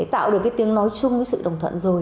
tạo được tiếng nói chung với sự đồng thuận rồi